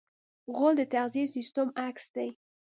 غول د تغذیې سیستم عکس دی.